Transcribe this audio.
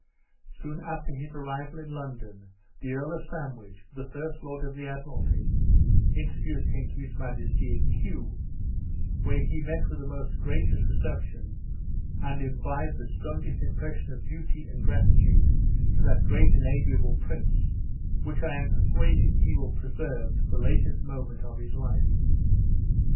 Soon after his arrival in London, the Earl of Sandwich, the first Lord of the Admiralty, introduced him to his majesty at Kew, when he met with a most gracious reception, and imbibed the strongest impression of duty and gratitude to that great and amiable prince, which I am persuaded he will preserve to the latest moment of his life.